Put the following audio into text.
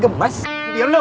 kemas biar lu